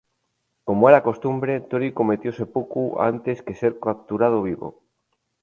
Como era costumbre, Torii cometió "seppuku" antes que ser capturado vivo.